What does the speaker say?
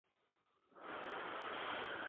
Queens finalizó tercero.